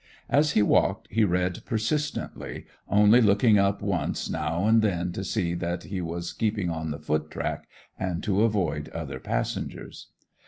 As he walked he read persistently, only looking up once now and then to see that he was keeping on the foot track and to avoid other passengers.